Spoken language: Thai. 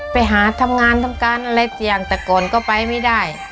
ไปหาทำงานทำการอะไรอย่างตะเกิดก็ไปไม่ได้